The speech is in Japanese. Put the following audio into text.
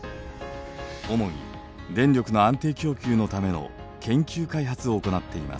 主に電力の安定供給のための研究開発を行っています。